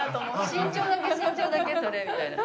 身長だけ身長だけそれみたいな。